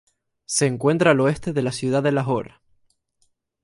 Se encuentra al oeste de la ciudad de Lahore.